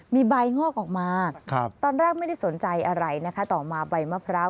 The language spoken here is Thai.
มีใบงอกออกมาตอนแรกไม่ได้สนใจอะไรนะคะต่อมาใบมะพร้าว